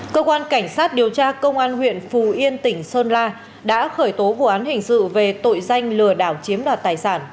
cơ quan cảnh sát điều tra công an huyện phù yên tỉnh sơn la đã khởi tố vụ án hình sự về tội danh lừa đảo chiếm đoạt tài sản